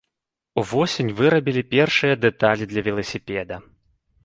Увосень вырабілі першыя дэталі для веласіпеда.